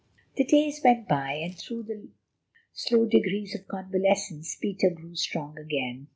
The days went by, and through the slow degrees of convalescence Peter grew strong again.